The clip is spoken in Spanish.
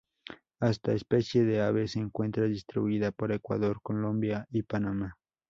Esta especie de ave se encuentra distribuida por Ecuador, Colombia y Panamá.